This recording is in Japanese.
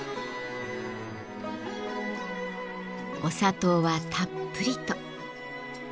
お砂糖はたっぷりと。